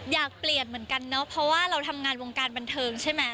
อยากเปลี่ยนเหมือนกันเนอะเพราะว่าเราทำงานวงการบันเทิงใช่ไหม